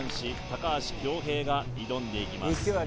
高橋恭平が挑んでいきます